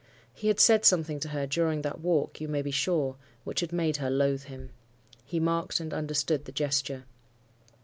He had said something to her during that walk, you may be sure, which had made her loathe him. He marked and understood the gesture.